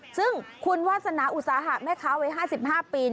ซึ่งคุณวาสนาอุตสาหะแม่ค้าวัย๕๕ปี